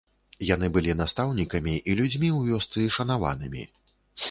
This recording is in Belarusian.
Яны былі настаўнікамі і людзьмі ў вёсцы шанаванымі.